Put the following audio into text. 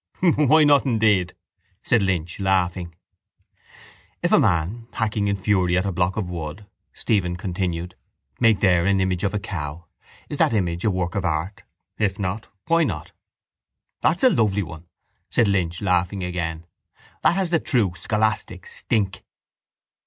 _ —Why not, indeed? said Lynch, laughing. —If a man hacking in fury at a block of wood, Stephen continued, make there an image of a cow, is that image a work of art? If not, why not? —That's a lovely one, said Lynch, laughing again. That has the true scholastic stink.